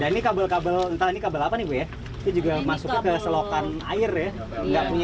dan ini kabel kabel entah ini kabel apa nih ya juga masuk ke selokan air ya enggak punya